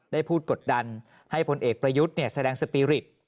ได้พูดกดดันให้พลเอกประยุทธ์แสดงสปีริต